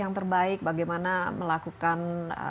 yang terbaik bagaimana melakukan